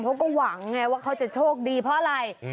เขาก็หวังไงว่าเขาจะโชคดีเพราะอะไร